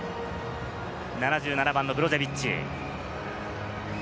７７番のブロゾビッチ。